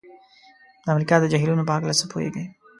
د امریکا د جهیلونو په هلکه څه پوهیږئ؟